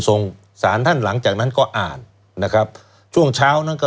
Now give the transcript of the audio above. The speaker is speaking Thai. ส่งสารท่านหลังจากนั้นก็อ่านนะครับช่วงเช้านั้นก็